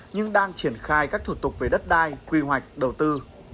nhưng đang triển khai các thủ tục về đất đai quy hoạch đầu tư